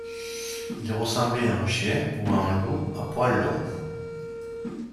Il ressemblait à un chien ou à un loup à poils longs.